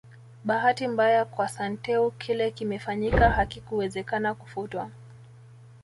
Bahati mbaya kwa Santeu kile kimefanyika hakikuwezekana kufutwa